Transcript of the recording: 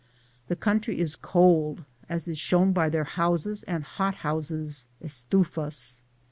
The country is cold, as is shown by their houses and hothouses (estufas)